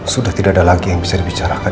sudah tidak ada lagi yang bisa dibicarakan